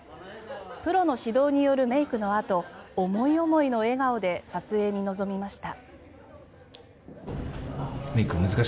プロの指導によるメイクのあと思い思いの笑顔で撮影に臨みました。